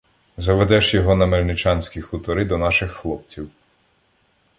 Заведеш його на Мельничанські хутори до наших хлопців.